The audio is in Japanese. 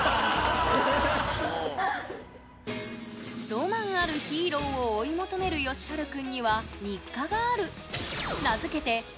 ロマンあるヒーローを追い求めるよしはるくんには日課がある。